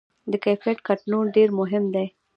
د کیفیت کنټرول ډېر مهم دی.